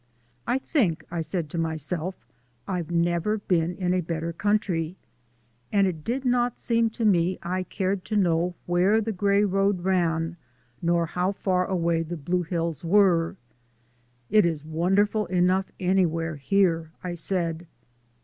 "I think," I said to myself, "I've never been in a better country," and it did not seem to me I cared to know where the gray road ran, nor how far away the blue hills were. "It is wonderful enough anywhere here," I said.